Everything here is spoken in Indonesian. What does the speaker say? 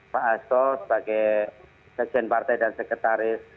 pak hasto sebagai sekjen partai dan sekretaris